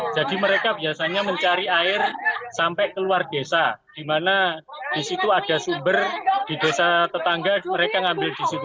jadi mereka biasanya mencari air sampai keluar desa di mana di situ ada sumber di desa tetangga mereka ngambil di situ